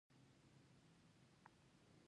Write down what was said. ګلان د تازه هوا لپاره ښه دي.